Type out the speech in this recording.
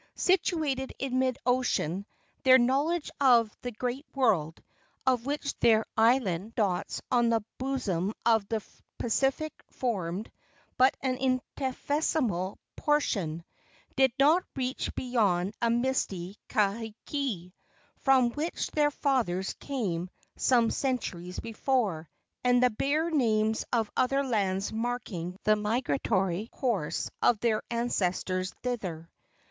Situated in mid ocean, their knowledge of the great world, of which their island dots on the bosom of the Pacific formed but an infinitesimal portion, did not reach beyond a misty Kahiki, from which their fathers came some centuries before, and the bare names of other lands marking the migratory course of their ancestors thither.